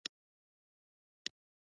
جګړن پلي ته یو څه پسپسې وکړې، هغه هم ولاړ.